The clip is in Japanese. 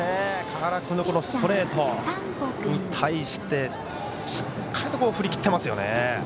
川原君のストレートに対してしっかりと振り切っていますね。